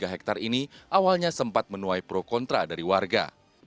dua ratus empat puluh tiga hektare ini awalnya sempat menuai pro kontra dari warga